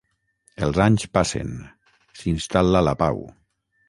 Els anys passen, s'instal·la la pau.